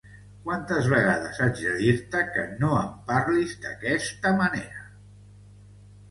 Quantes vegades haig de dir-te que no em parlis d'aquesta manera?